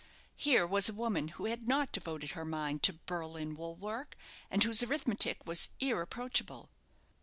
Here was a woman who had not devoted her mind to Berlin wool work, and whose arithmetic was irreproachable!